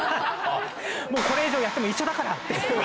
もうこれ以上やっても一緒だからって。